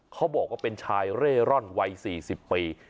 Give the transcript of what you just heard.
เขาบอกว่าเป็นชายเร่ร่อนวัย๔๐ปี